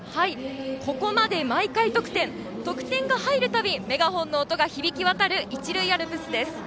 ここまで毎回得点得点が入る度にメガホンの音が響き渡る一塁アルプスです。